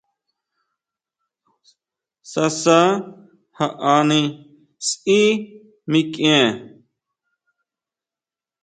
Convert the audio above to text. Sasa jaʼani sʼí mikʼien.